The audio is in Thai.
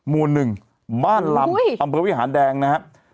หมู่๑บ้านลำอำเภอวิหารแดงนะครับ